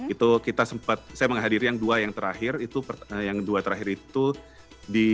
itu kita sempat saya menghadiri yang dua yang terakhir itu yang dua terakhir itu di